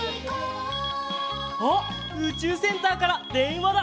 あっうちゅうセンターからでんわだ！